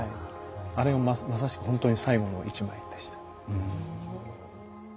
あれはまさしくほんとに最後の一枚でした。